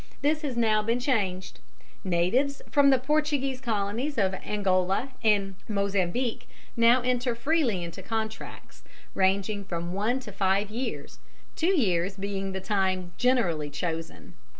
This has now been changed. Natives from the Portuguese colonies of Angola and Mozambique now enter freely into contracts ranging from one to five years, two years being the time generally chosen.